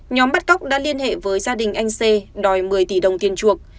nhóm bắt cóc đã liên hệ với gia đình anh sê đòi một mươi tỷ đồng tiền chuộc